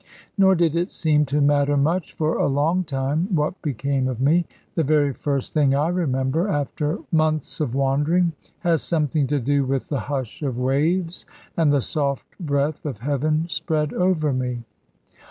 Nor did it seem to matter much for a long time what became of me. The very first thing I remember, after months of wandering, has something to do with the hush of waves, and the soft breath of heaven spread over me.